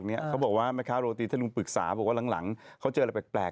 เขาบอกว่าแม่ค้าโรตีทะลุงปรึกษาบอกว่าหลังเขาเจออะไรแปลก